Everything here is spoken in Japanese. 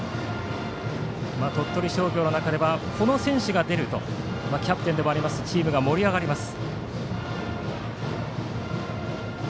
鳥取商業の中ではこの選手が出るとキャプテンでもありますしチームが盛り上がります。